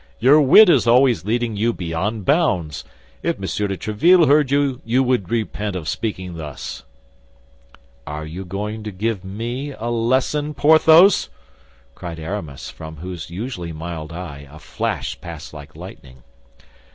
"Your wit is always leading you beyond bounds; if Monsieur de Tréville heard you, you would repent of speaking thus." "Are you going to give me a lesson, Porthos?" cried Aramis, from whose usually mild eye a flash passed like lightning.